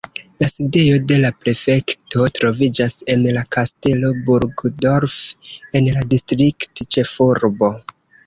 La sidejo de la prefekto troviĝas en la Kastelo Burgdorf en la distriktĉefurbo.